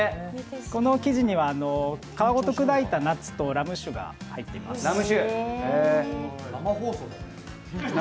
この生地には皮ごと砕いたナッツとラム酒が入ってます。